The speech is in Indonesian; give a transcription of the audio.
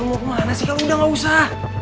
kal mau kemana sih kal udah gak usah